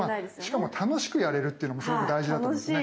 しかも楽しくやれるっていうのもすごく大事だと思うんですね。